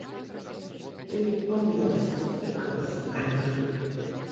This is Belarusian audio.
Ты памыляўся, спатыкаўся, але жыў!